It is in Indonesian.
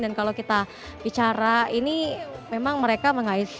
dan kalau kita bicara ini memang mereka mengais